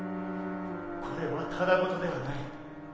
これはただ事ではない。